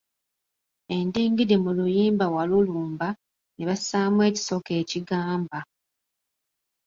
Endingidi mu luyimba Walulumba , ne bassaamu ekisoko ekigamba.